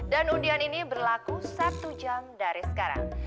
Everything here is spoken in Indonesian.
dan undian ini berlaku satu jam dari sekarang